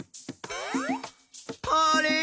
あれ？